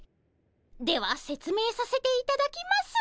ではせつめいさせていただきます。